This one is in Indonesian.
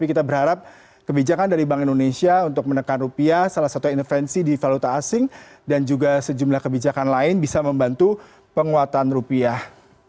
kita berharap kebijakan dari bank indonesia untuk menekan rupiah salah satu intervensi di valuta asing dan juga sejumlah kebijakan lain bisa membantu penguatan rupiah